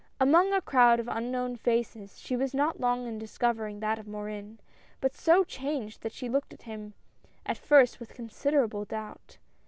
Among a crowd of unknown faces, she was not long in discovering that of Morin, but so changed, that she looked at him at first with considerable doubt.